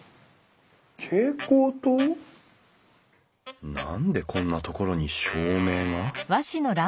蛍光灯？何でこんなところに照明が？